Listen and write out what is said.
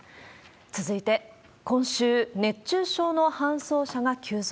続いて、今週、熱中症の搬送者が急増。